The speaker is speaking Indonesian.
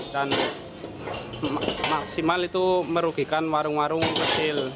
dan maksimal itu merugikan warung warung kecil